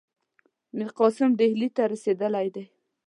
میرقاسم ډهلي ته رسېدلی دی.